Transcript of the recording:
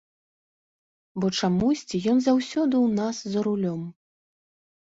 Бо чамусьці ён заўсёды ў нас за рулём.